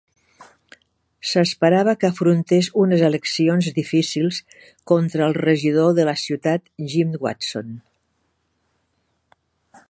S'esperava que afrontés unes eleccions difícils contra el regidor de la ciutat Jim Watson.